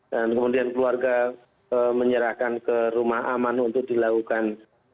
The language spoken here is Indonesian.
dan kemudian keluarga menyerahkan ke rumah aman untuk dilakukan